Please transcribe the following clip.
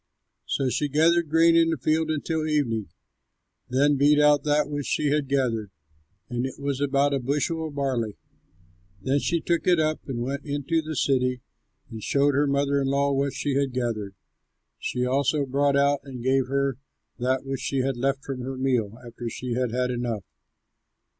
So she gathered grain in the field until evening, then beat out that which she had gathered; and it was about a bushel of barley. Then she took it up and went into the city and showed her mother in law what she had gathered. She also brought out and gave her that which she had left from her meal after she had had enough.